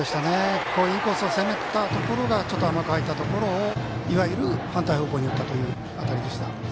いいコースを攻めたところ甘く入ったところをいわゆる反対方向に打った当たりでした。